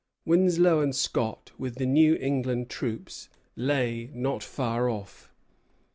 Winslow and Scott, with the New England troops, lay not far off.